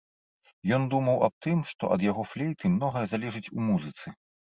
Ён думаў аб тым, што ад яго флейты многае залежыць у музыцы.